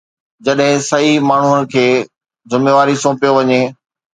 جڏهن صحيح ماڻهن کي ذميواري سونپيو وڃي.